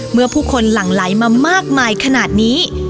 เมื่อผู้คนหลั่งไหลมามากมายขนาดนี้